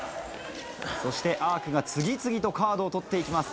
そしてアークが次々とカードを取って行きます。